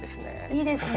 いいですね。